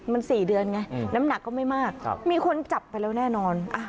มัน๔เดือนไงน้ำหนักก็ไม่มากมีคนจับไปแล้วแน่นอน